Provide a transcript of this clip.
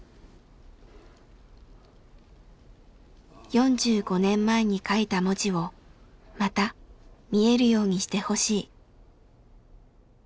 ４５年前に書いた文字をまた見えるようにしてほしい。